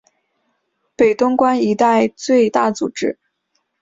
北关东一带最大组织。